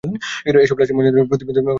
এসব লাশের ময়নাতদন্ত প্রতিবেদন হৃদয়বিদারক।